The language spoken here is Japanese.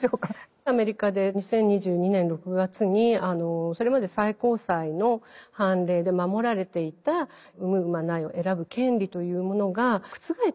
アメリカで２０２２年６月にそれまで最高裁の判例で守られていた産む産まないを選ぶ権利というものが覆っちゃったんですね。